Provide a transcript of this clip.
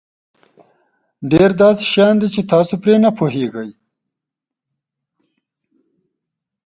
ډېر داسې شیان دي چې تاسو پرې نه پوهېږئ.